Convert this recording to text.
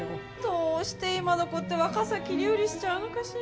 どうして今の子って若さを切り売りしちゃうのかしら。